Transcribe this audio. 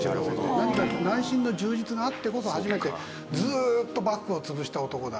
何か内心の充実があってこそ初めてずーっと幕府を潰した男だ